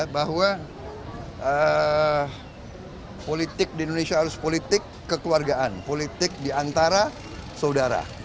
bahwa politik di indonesia harus politik kekeluargaan politik diantara saudara